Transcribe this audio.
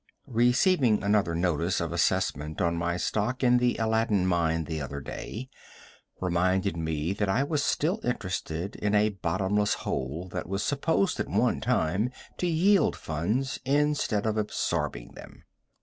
Receiving another notice of assessment on my stock in the Aladdin mine the other day, reminded me that I was still interested in a bottomless hole that was supposed at one time to yield funds instead of absorbing them.